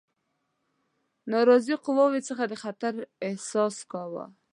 ناراضي قواوو څخه د خطر احساس کاوه.